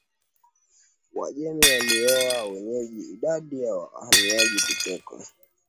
Wajemi waliooa wenyeji Idadi ya wahamiaji kutoka